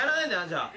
じゃあ。